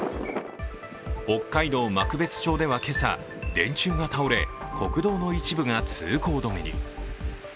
北海道幕別町では今朝電柱が倒れ国道の一部が通行止めに。